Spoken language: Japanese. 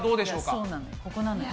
そうなのよ